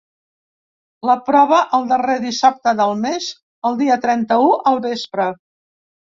La prova el darrer dissabte del mes, el dia trenta-u al vespre.